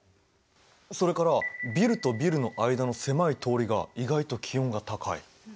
それからビルとビルの間の狭い通りが意外と気温が高い。